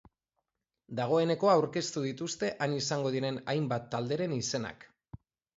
Dagoeneko aurkeztu dituzte han izango diren hainbat talderen izenak.